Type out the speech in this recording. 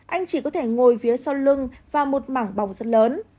anh chỉ có thể ngồi phía sau lưng và một mảng bòng rất lớn